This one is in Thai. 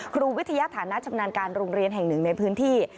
ครูวิทยาฐานะชำนาญการโรงเรียนแห่งหนึ่งในพื้นที่